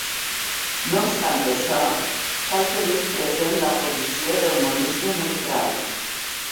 No obstant això, cal tenir present la posició del monisme neutral.